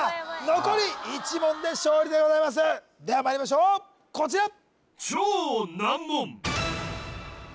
残り１問で勝利でございますではまいりましょうこちら